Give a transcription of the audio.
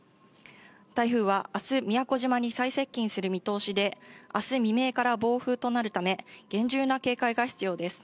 台風はあす、宮古島に最接近する見通しで、あす未明から暴風となるため、厳重な警戒が必要です。